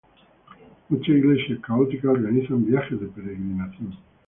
Muchas iglesias católicas organizan viajes de peregrinación.